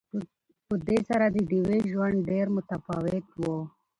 په دې سره د ډیوې ژوند ډېر متفاوت وو